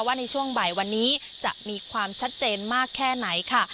ในช่วงบ่ายวันนี้จะมีความชัดเจนมากแค่ไหนค่ะ